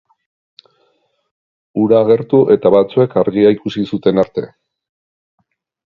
Hura agertu eta batzuek argia ikusi zuten arte.